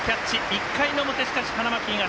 １回の表、しかし、花巻東。